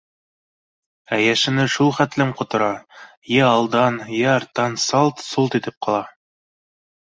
Ә йәшене шул хәтлем ҡотора: йә алдан, йә арттан салт-солт итеп ҡала.